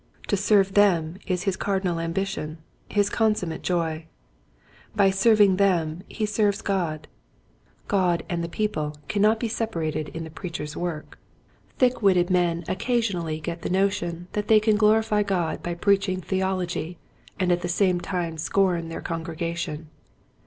To serve them is his cardinal ambition, his consummate joy. By serv ing them he serves God. God and the peo ple cannot be separated in the preacher's Selfishness. lOi work. Thick witted men occasionally get the notion that they can glorify God by preaching theology and at the same time scorn their congregation.